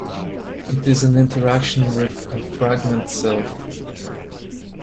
It is an interaction with a fragment self.